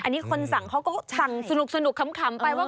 อันนี้คนสั่งเขาก็สั่งสนุกขำไปว่า